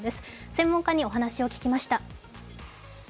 専門家にお話を聞きました。